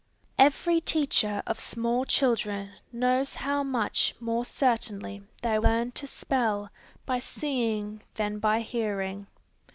Every teacher of small children knows how much more certainly they learn to spell by seeing than by hearing.